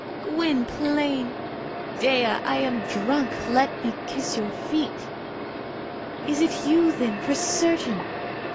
"Gwynplaine!" "Dea, I am drunk. Let me kiss your feet." "Is it you, then, for certain?"